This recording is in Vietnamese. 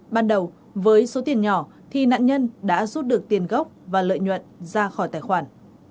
ban đầu với số tiền nhỏ thì nạn nhân đã rút được tiền gốc và lợi nhuận ra khỏi tài khoản